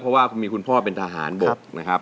เพราะว่ามีคุณพ่อเป็นทหารบกนะครับ